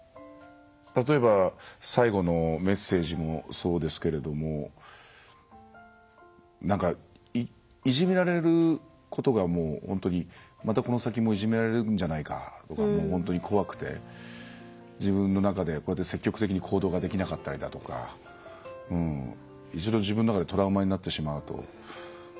例えば、最後のメッセージもそうですけれどもなんか、いじめられることが本当に、またこの先もいじめられるんじゃないかってもう本当に怖くて自分の中で、こうやって積極的に行動できなかったりだとか一度は自分の中でトラウマになってしまうと。